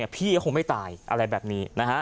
พี่ก็คงไม่ตายอะไรแบบนี้